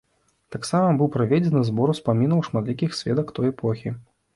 Таксама быў праведзены збор успамінаў шматлікіх сведак той эпохі.